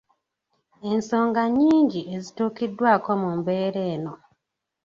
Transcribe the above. Ensonga nnyingi ezituukiddwako mu mbeera eno.